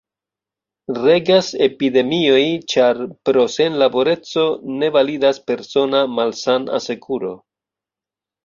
Regas epidemioj ĉar, pro senlaboreco, ne validas persona malsan-asekuro.